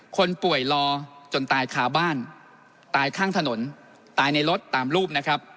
คนป่วยรอจนตายคาบ้านตายข้างถนนตายในรถตามรูปนะครับ